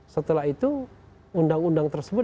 setelah itu undang undang tersebut